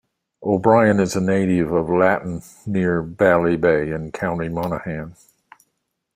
O'Brien is a native of Latton, near Ballybay, in County Monaghan.